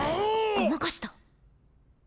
ごまかした。